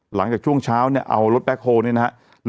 หลังจากช่วงเช้าเอารถแฟรคโฮล์นี่นะครับ